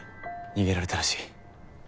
逃げられたらしい。